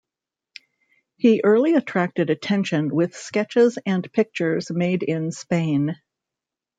He early attracted attention with sketches and pictures made in Spain.